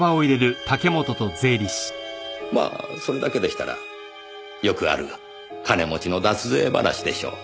まあそれだけでしたらよくある金持ちの脱税話でしょう。